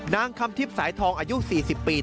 นางคำทิพย์สายทองอายุ๔๐ปี